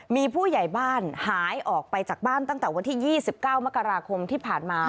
มีผู้ใหญ่บ้านหายออกไปจากบ้านตั้งแต่วันที่๒๙มกราคมที่ผ่านมา